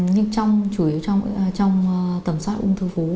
nhưng trong tầm soát ung thư vú